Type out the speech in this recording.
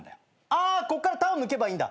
あこっから「た」を抜けばいいんだ。